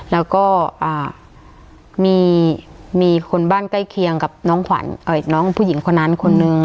แล้วก็มีคนบ้านใกล้เคียงกับน้องขวัญน้องผู้หญิงคนนั้นคนนึง